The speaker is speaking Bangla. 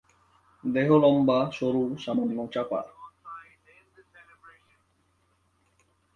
দেহ লম্বা, সরু, সামান্য চাপা।